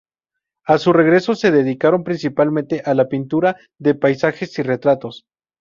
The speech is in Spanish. A su regreso, se dedicaron, principalmente, a la pintura de paisajes y retratos.